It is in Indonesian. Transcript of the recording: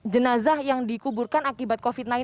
jenazah yang dikuburkan akibat covid sembilan belas